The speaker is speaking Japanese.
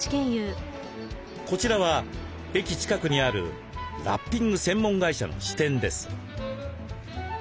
こちらは駅近くにあるラッピング専門会社の支店です。